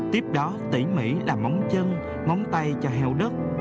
tiếp đó tỉ mỉ là móng chân móng tay cho heo đất